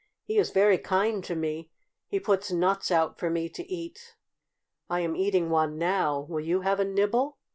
"He is very kind to me. He puts nuts out for me to eat. I am eating one now. Will you have a nibble?"